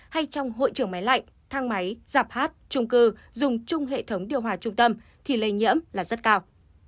hay trong hội trưởng máy lạnh thang máy giạp hát trung cư dùng chung hệ thống điều hòa trung tâm thì lây nhiễm là rất cao